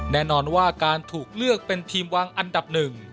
แน่นอนว่าการถูกเลือกเป็นทีมวางอันดับหนึ่ง